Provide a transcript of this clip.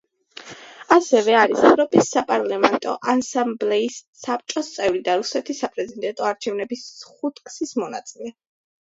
ასევე არის ევროპის საპარლამენტო ასამბლეის საბჭოს წევრი და რუსეთის საპრეზიდენტო არჩევნების ხუთგზის მონაწილე.